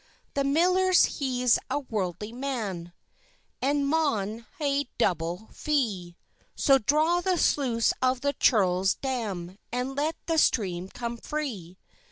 The miller he's a worldly man, And maun hae double fee; So draw the sluice of the churl's dam, And let the stream come free.